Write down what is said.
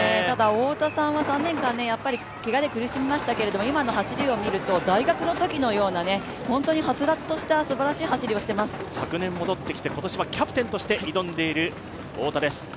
太田さんは３年間、けがで苦しみましたけれども、今の走りを見ると、大学のときのような、本当にハツラツとした昨年、戻ってきて今年はキャプテンとして挑んでいます。